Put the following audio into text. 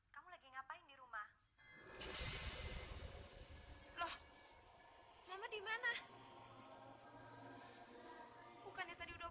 jalan kung jalan se di sini ada pesta besar besaran